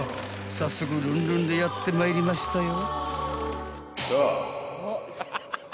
早速ルンルンでやってまいりましたよ］